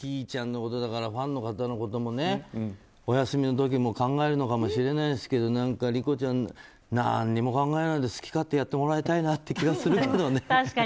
Ｋｉｉちゃんのファンの方のこともお休みの時も考えるかもしれないですけど何か、理子ちゃん何も考えないで好き勝手やってもらいたいなって気がするけどね。